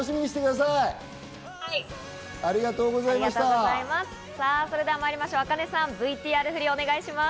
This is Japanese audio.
さぁそれではまいりましょうａｋａｎｅさんＶＴＲ振りお願いします。